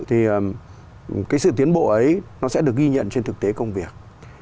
thì cái sự tiến bộ ấy nó sẽ được ghi nhận trên thực tế công việc